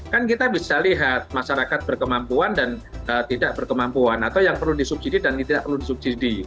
kan kita bisa lihat masyarakat berkemampuan dan tidak berkemampuan atau yang perlu disubsidi dan tidak perlu disubsidi